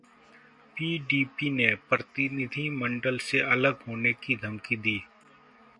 PDP ने प्रतिनिधिमंडल से अलग होने की धमकी दी